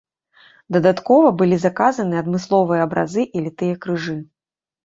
Дадаткова былі заказаны адмысловыя абразы і літыя крыжы.